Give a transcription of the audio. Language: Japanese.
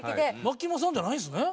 マキマさんじゃないんですね。